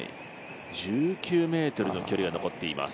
１９ｍの距離が残っています。